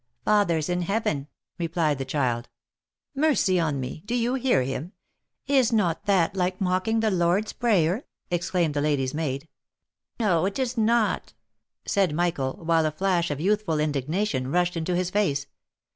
" Father's in heaven," replied the child. " Mercy on me ! do you hear him ? Is not that like mocking the Lord's prayer ?" exclaimed the lady's maid. " No, it is not !" said Michael, while a flash of youthful indigna tion rushed into his face.